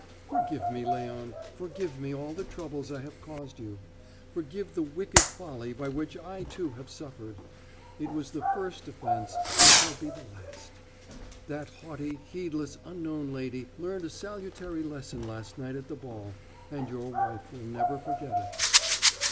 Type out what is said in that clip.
Forgive me, Léon, forgive me all the troubles I have caused you; forgive the wicked folly by which I, too, have suffered; it was the first offense and shall be the last. That haughty, heedless Unknown Lady learned a salutary lesson last night at the ball, and your wife will never forget it."